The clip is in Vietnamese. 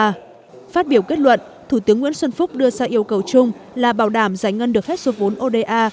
phát biểu kết luận thủ tướng nguyễn xuân phúc đưa ra yêu cầu chung là bảo đảm giải ngân được hết số vốn oda